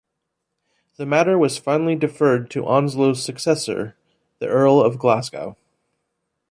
The matter was finally deferred to Onslow's successor, the Earl of Glasgow.